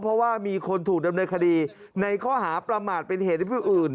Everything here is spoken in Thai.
เพราะว่ามีคนถูกดำเนินคดีในข้อหาประมาทเป็นเหตุให้ผู้อื่น